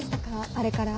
あれから。